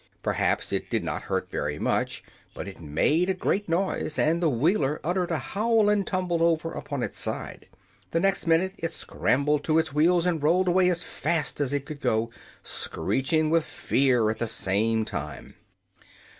Perhaps it did not hurt very much, but it made a great noise, and the Wheeler uttered a howl and tumbled over upon its side. The next minute it scrambled to its wheels and rolled away as fast as it could go, screeching with fear at the same time.